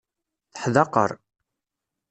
Teḥdaqer.